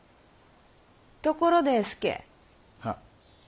ところで佐。は。